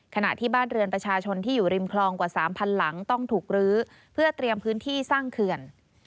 ขณะที่บ้านเรือนประชาชนที่อยู่ริมคลองกว่า๓๐๐หลังต้องถูกลื้อเพื่อเตรียมพื้นที่สร้างเขื่อน